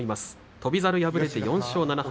翔猿敗れて４勝７敗